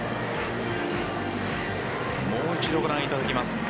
もう一度ご覧いただきます。